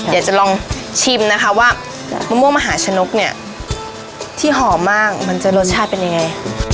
อยากจะลองชิมนะคะว่ามะม่วงมหาชนกเนี่ยที่หอมมากมันจะรสชาติเป็นยังไง